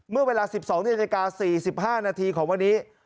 เมื่อเวลา๑๒นาฬิกา๔๕นาทีของวันนี้